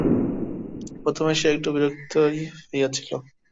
প্রথমে সে একটু বিরক্তই হইয়াছিল।